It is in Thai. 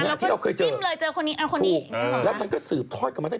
ในหนังที่เราเคยเจอ